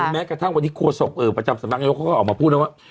แม้กระทั่งวันนี้โคโศกประจำสำรักยุคเขาออกมาพูดว่า